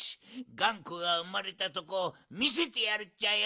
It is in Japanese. がんこがうまれたとこをみせてやるっちゃよ！